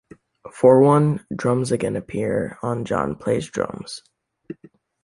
For one, drums again appear on John Plays Drums.